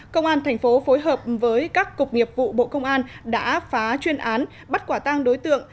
công an thành phố phối hợp với các cục nghiệp vụ bộ công an đã phá chuyên án bắt quả tang đối tượng